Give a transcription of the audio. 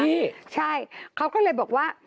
ใช่เขาก็เลยบอกว่า